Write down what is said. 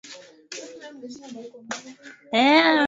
uliogawanyika katika himaya nane Himaya hizo ni pamoja na